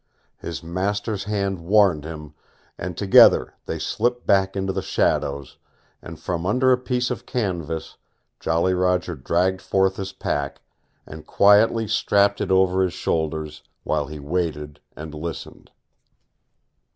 His master's hand warned him, and together they slipped back into the shadows, and from under a piece of canvas Jolly Roger dragged forth his pack, and quietly strapped it over his shoulders while he waited and listened.